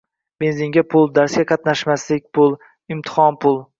Benzinga pul, darsga qatnashmaslik pul, imtihon pul.